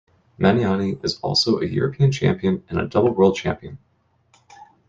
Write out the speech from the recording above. Maniani is also a European champion and double world champion.